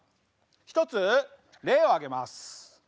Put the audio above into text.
一つ例を挙げます。